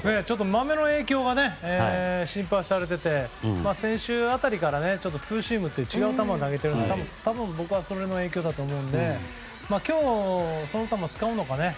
マメの影響が心配されていて先週辺りからツーシームっていう違う球を投げているんですが僕は多分それの影響だと思うので今日、その球を使うのか。